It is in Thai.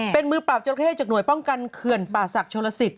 เป็นมือปราบจราเข้จากห่วยป้องกันเขื่อนป่าศักดิชนลสิต